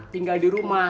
tinggal di rumah